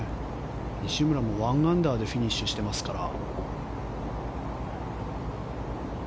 西村も１アンダーでフィニッシュしていますから。